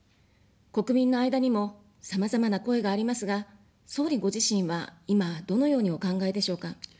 国民の間にも、さまざまな声がありますが、総理ご自身は今どのようにお考えでしょうか。